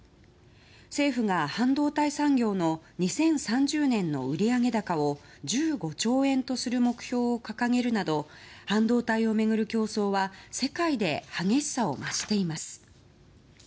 政府が、半導体産業の２０３０年の売上高を１５兆円とする目標を掲げるなど半導体を巡る競争は世界で激しさを増しています。